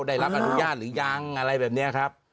ได้รับอนุญาตหรือยังอะไรแบบนี้ครับ